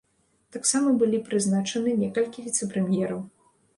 Таксама былі прызначаны некалькі віцэ-прэм'ераў.